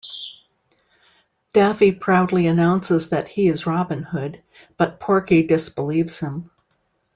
Daffy proudly announces that he is Robin Hood, but Porky disbelieves him.